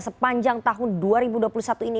sepanjang tahun dua ribu dua puluh satu ini